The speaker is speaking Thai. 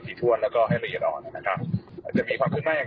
สีทวนแล้วก็ให้ละเอียดออกนะครับจะมีความขึ้นมากอย่าง